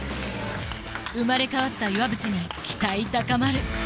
生まれ変わった岩渕に期待高まる！